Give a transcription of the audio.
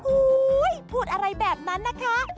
พูดอะไรแบบนั้นนะคะ